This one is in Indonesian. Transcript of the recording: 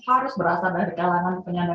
rekuk asyik berangka untuk